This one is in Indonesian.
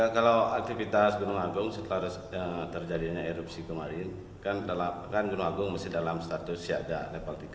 kalau aktivitas gunung agung setelah terjadinya erupsi kemarin kan gunung agung masih dalam status siaga level tiga